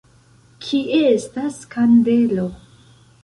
Kie estas kandelo?